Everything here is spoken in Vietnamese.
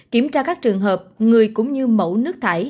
kiểm tra các trường hợp người cũng như mẫu nứt